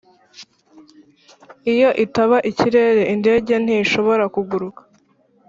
iyo itaba ikirere, indege ntishobora kuguruka.